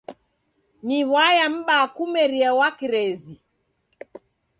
Ni w'aya m'baa kumeria wa kirezi!